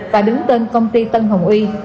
và đứng tên công ty tân hồng uy